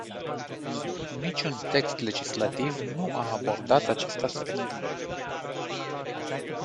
Niciun text legislativ nu a abordat acest aspect.